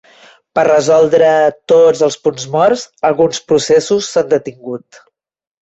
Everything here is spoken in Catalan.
Per resoldre tots els punts morts, alguns processos s'han detingut.